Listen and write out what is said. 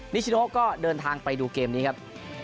นิชโนก็เดินทางไปดูเกมนี้ครับ